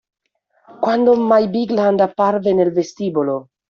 Quando May Bigland apparve nel vestibolo.